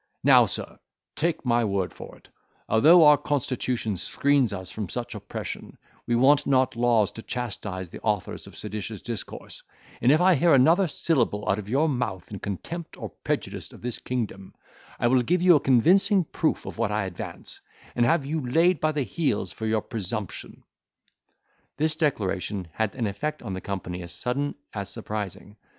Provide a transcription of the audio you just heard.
Now, sir, take my word for it, although our constitution screens us from such oppression, we want not laws to chastise the authors of seditious discourse, and if I hear another syllable out of your mouth in contempt or prejudice of this kingdom, I will give you a convincing proof of what I advance, and have you laid by the heels for your presumption." This declaration had an effect on the company as sudden as surprising.